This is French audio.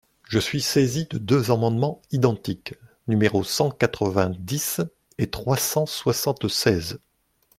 Je suis saisie de deux amendements identiques, numéros cent quatre-vingt-dix et trois cent soixante-seize.